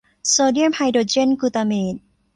โซเดียมไฮโดรเจนกลูทาเมต